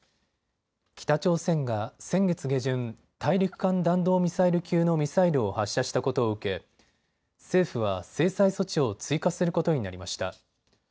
北朝鮮が先月下旬、大陸間弾道ミサイル級のミサイルを発射したことを受け政府は制裁措置を追加することになりました。